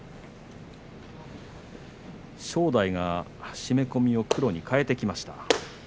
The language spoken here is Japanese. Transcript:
正代が締め込みを黒に替えてきました。